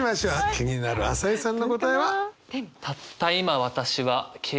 気になる朝井さんの答えは？